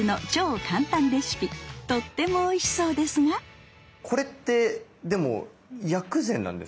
とってもおいしそうですがこれってでも薬膳なんですか？